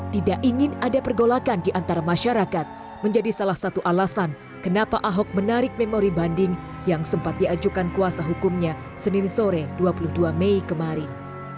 tidak ingin ada pergolakan di antara masyarakat menjadi salah satu alasan kenapa ahok menarik memori banding yang sempat diajukan kuasa hukumnya senin sore dua puluh dua mei kemarin